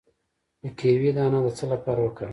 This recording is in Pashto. د کیوي دانه د څه لپاره وکاروم؟